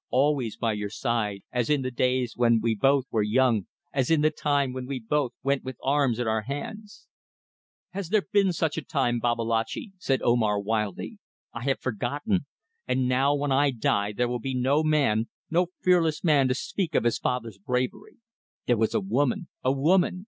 "Always by your side as in the days when we both were young: as in the time when we both went with arms in our hands." "Has there been such a time, Babalatchi?" said Omar, wildly; "I have forgotten. And now when I die there will be no man, no fearless man to speak of his father's bravery. There was a woman! A woman!